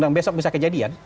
dan besok bisa kejadian